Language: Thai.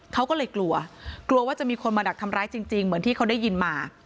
เขาก็เลยกลัวกลัวว่าจะมีคนมาดักทำร้ายจริงเหมือนที่เขาได้ยินมา